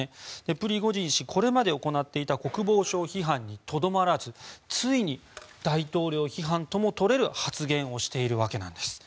プリゴジン氏はこれまで行っていた国防省批判にとどまらずついに大統領批判ともとれる発言をしているわけなんです。